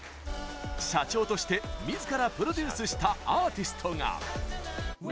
社長としてみずからプロデュースしたアーティストが。